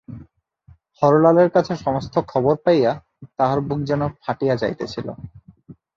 হরলালের কাছে সমস্ত খবর পাইয়া তাঁহার বুক যেন ফাটিয়া যাইতেছিল।